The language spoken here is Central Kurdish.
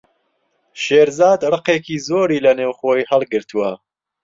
شێرزاد ڕقێکی زۆری لەنێو خۆی هەڵگرتووە.